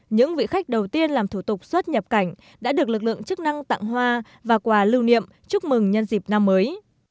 những vị khách đầu tiên làm thủ tục xuất nhập cảnh đã được lực lượng chức năng tặng hoa và quà lưu niệm chúc mừng nhân dịp năm mới